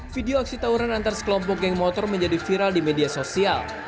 video aksi tawuran antar sekelompok geng motor menjadi viral di media sosial